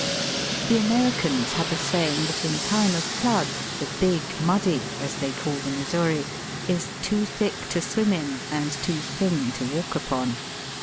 The Americans have a saying that in time of flood the "Big Muddy," as they call the Missouri, is "too thick to swim in and too thiri to walk upon."